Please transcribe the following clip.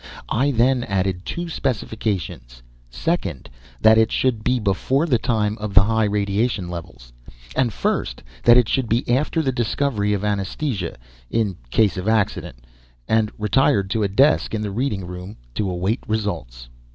I then added two specifications second, that it should be before the time of the high radiation levels; and first, that it should be after the discovery of anesthesia, in case of accident and retired to a desk in the reading room to await results.